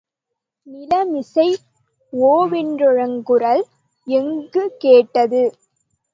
நிலமிசை ஓவென்றழுங்குரல் எங்குங்கேட்டது.